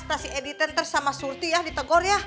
stasiuk editenter sama surti ya ditegor ya